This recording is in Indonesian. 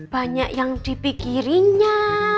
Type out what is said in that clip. banyak yang dipikirinya